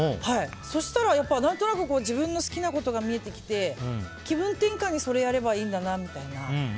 そうしたら何となく自分の好きなことが見えてきて気分転換にそれやればいいんだなみたいな。